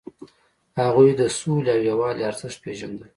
هغوی د سولې او یووالي ارزښت پیژندل.